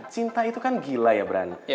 cinta itu kan gila ya brand